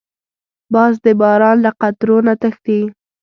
باز د باران له قطرو نه تښتي